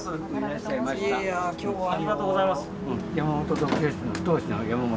いや今日はありがとうございます。